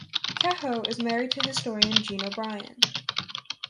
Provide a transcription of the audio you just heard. Kehoe is married to historian Jean O'Brien.